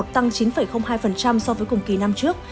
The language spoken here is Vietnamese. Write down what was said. tăng chín hai so với cùng kỳ năm trước